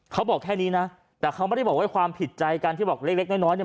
เขาบอกแค่นี้นะแต่เขาไม่ได้บอกว่าความผิดใจกันที่บอกเล็กเล็กน้อยน้อยเนี่ย